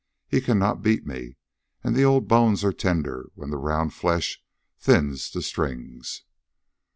He cannot beat me, and old bones are tender when the round flesh thins to strings.